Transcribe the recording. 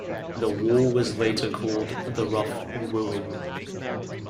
The war was later called the "Rough Wooing".